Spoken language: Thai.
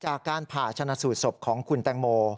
จากการผ่าชนะสูตรศพของคุณแตงโม